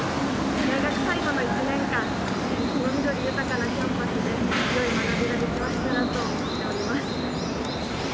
大学最後の１年間、この緑豊かなキャンパスで、よい学びができましたらと思っております。